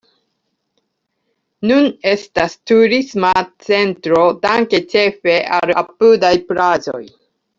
Nun estas turisma centro danke ĉefa al apudaj plaĝoj.